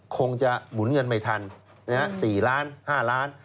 คงจะหมุนเงินไม่ทัน๔ล้าน๕ล้าน